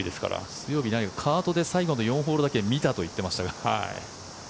水曜日、カートで最後の４ホールだけ見たと言っていましたが。